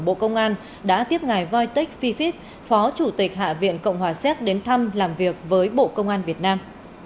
bộ công an đã tiếp ngài voitech phi phi phó chủ tịch hạ viện cộng hòa xét đến thăm làm việc với bộ công an việt nam